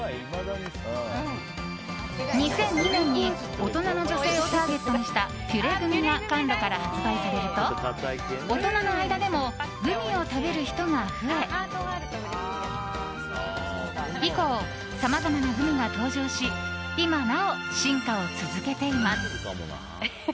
２００２年に大人女性をターゲットにしたピュレグミがカンロから発売されると大人の間でもグミを食べる人が増え以降、さまざまなグミが登場し今なお進化を続けています。